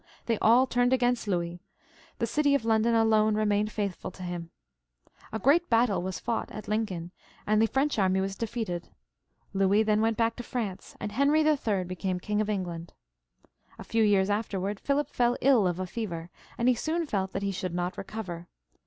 They all turned against Louis ; the city of London alone remained faithful to him. A great battle was fought at 108 PHILIP IL {AUGUSTE). [ch. Lincoln, and the French army was defeated. Louis then went back to France, and Henry HI. became King of England. A few years after Philip fell ill of a fever, and he soon felt that he should not recover.